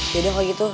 yaudah kalau gitu